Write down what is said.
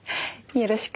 よろしく。